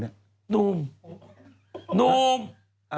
สิบห้าเจ็ดหมื่นไปอ่า